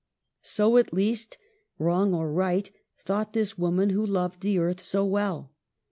So at least, wrong or right, thought this woman who loved the earth so well.